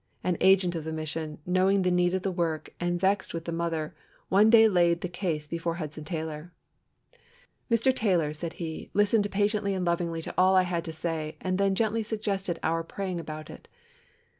An agent of the mission, knowing the need of the work, and vexed with the mother, one day laid the case before Hudson Taylor. "Mr. Taylor," said he, "listened patiently and lovingly to all I had to say, and then gently suggested our praying about it.